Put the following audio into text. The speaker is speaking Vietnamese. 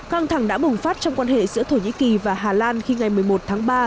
căng thẳng đã bùng phát trong quan hệ giữa thổ nhĩ kỳ và hà lan khi ngày một mươi một tháng ba